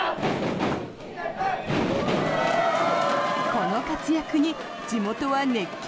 この活躍に地元は熱狂。